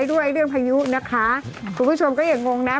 ด้วยเรื่องพายุนะคะคุณผู้ชมก็อย่างงงนะ